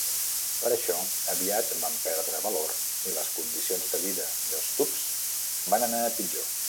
Per això, aviat van perdre valor i les condicions de vida d'Stubs van anar a pitjor.